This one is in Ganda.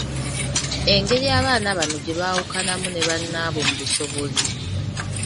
Egeri abaana bano gye baawukanamu ne bannaabwe mu busobozi.